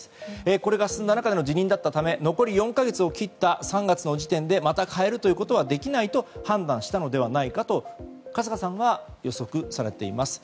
これが進んだ中での辞任だったため残り４か月を切った３月時点でまた変えることはできないと判断したのではないかと春日さんは予測されています。